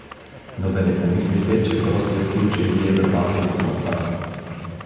Но да не помислите, че простият случай ги е запазил от смъртта?